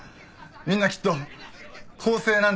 みんなきっと更生なんて夢だ